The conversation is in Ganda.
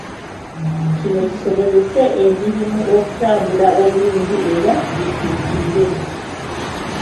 Kino kisobozese emirimu okutambula obulungi era gituukirire.